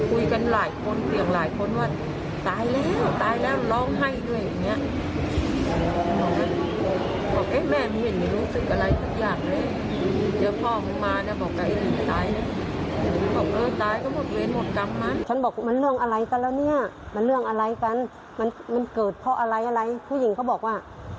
อุปนิสัยลูกคุณแม่เป็นยังไงบ้างคะ